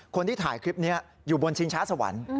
คนที่ถ่ายคลิปนี้อยู่บนชิงช้าสวรรค์